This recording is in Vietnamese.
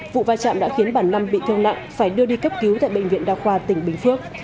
vụ vai trạm đã khiến bà năm bị thương nặng phải đưa đi cấp cứu tại bệnh viện đa khoa tỉnh bình phước